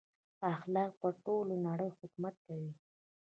اخلاق پر ټوله نړۍ حکومت کوي.